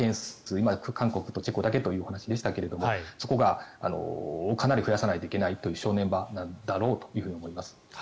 今、韓国とチェコだけというお話でしたけれどそこが、かなり増やさないといけないという正念場なんだろうと思います。